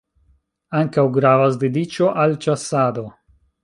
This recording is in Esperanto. Ankaŭ gravas dediĉo al ĉasado.